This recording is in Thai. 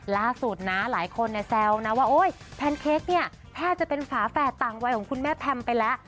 ล่าสุดนะหลายคนเนี่ยแซวนะว่าโอ๊ยแพนเค้กเนี่ยแทบจะเป็นฝาแฝดต่างวัยของคุณแม่แพมไปแล้ว